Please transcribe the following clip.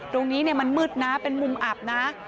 ตรงนี้มันมืดนะเป็นมุมอับนะ